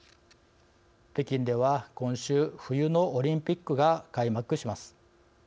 北京では今週冬のオリンピックが開幕します。